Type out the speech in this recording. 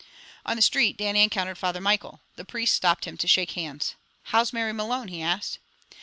On the street, Dannie encountered Father Michael. The priest stopped him to shake hands. "How's Mary Malone?" he asked.